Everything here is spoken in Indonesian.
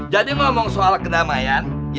jadi ngomong soal kedamaian ya